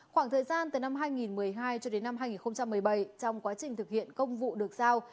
khoảng thời gian từ năm hai nghìn một mươi hai cho đến năm hai nghìn một mươi bảy trong quá trình thực hiện công vụ được giao